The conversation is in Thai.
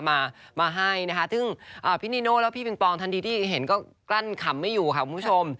มามาให้นะคะซึ่งพี่นิโน่แล้วพี่ปิงปองทันทีที่เห็นก็กลั้นขำไม่อยู่ค่ะคุณผู้ชม